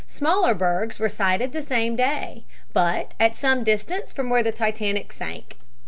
Smaller bergs were sighted the same day, but at some distance from where the Titanic sank.